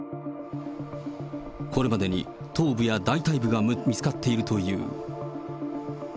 これまでに頭部や大たい部が見つかっているという。